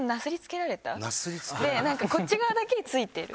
で何かこっち側だけについてる。